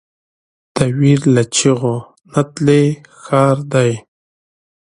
د ویر له چیغو نتلی ښار دی